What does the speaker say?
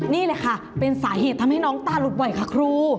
นี่แหละค่ะเป็นสาเหตุทำให้น้องตาหลุดบ่อยค่ะครู